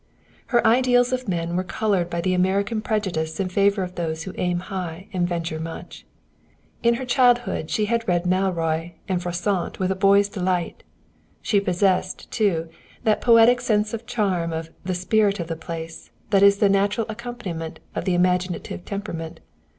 Her ideals of men were colored by the American prejudice in favor of those who aim high and venture much. In her childhood she had read Malory and Froissart with a boy's delight. She possessed, too, that poetic sense of the charm of "the spirit of place" that is the natural accompaniment of the imaginative temperament.